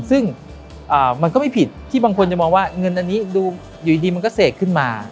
ซึ่งมันก็ไม่ผิดที่บางคนจะมองว่าเงินอันนี้ดูอยู่ดีมันก็เสกขึ้นมา